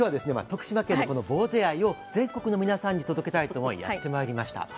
徳島県のこのぼうぜ愛を全国の皆さんに届けたいと思いやってまいりました。